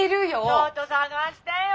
「ちょっと探してよ！